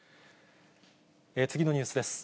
次のニュースです。